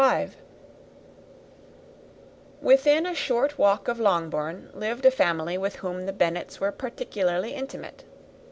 Within a short walk of Longbourn lived a family with whom the Bennets were particularly intimate.